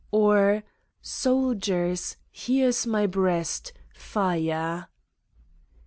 Or: "Soldiers, here's my breast: fire!"